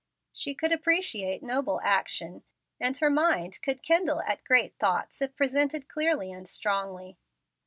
She could appreciate noble action, and her mind could kindle at great thoughts if presented clearly and strongly.